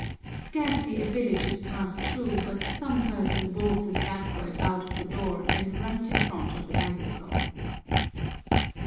Scarcely a village is passed through but some person waltzes backward out of a door and right in front of the bicycle.